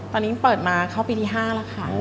ตอนนี้เปิดมาเข้าปีที่๕แล้วค่ะ